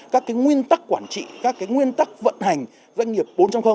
các cái nguyên tắc quản trị các cái nguyên tắc vận hành doanh nghiệp bốn